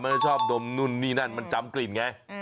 ชอบดมนู่นนี่นั่นมันจำกลิ่นไง